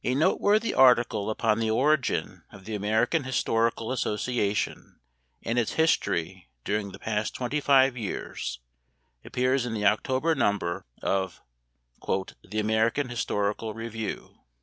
A noteworthy article upon the origin of the American Historical Association and its history during the past twenty five years appears in the October number of "The American Historical Review."